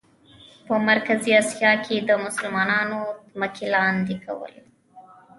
په مرکزي آسیا کې یې د مسلمانانو ځمکې لاندې کولې.